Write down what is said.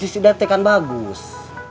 bisnis tidak tekan bagus